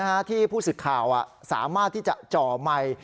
ถ้าที่ผู้ศึกข่าวสามารถที่จะจ่อใหม่